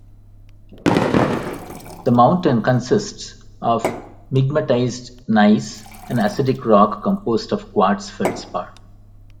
The mountain consists of migmatized gneiss, an acidic rock composed of quartz-feldspar.